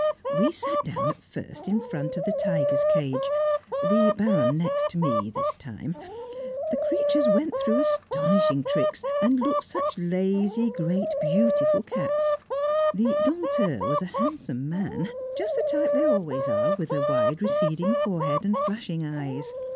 We sat down at first in front of the tigers' cage, the Baronne next to me this time. The creatures went through astonishing tricks, and looked such lazy great beautiful cats. The Dompteur was a handsome man, just the type they always are, with a wide receding forehead and flashing eyes.